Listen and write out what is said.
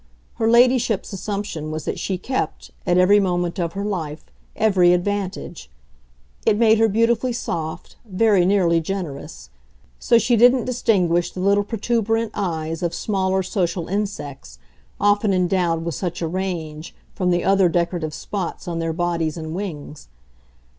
Her ladyship's assumption was that she kept, at every moment of her life, every advantage it made her beautifully soft, very nearly generous; so she didn't distinguish the little protuberant eyes of smaller social insects, often endowed with such a range, from the other decorative spots on their bodies and wings.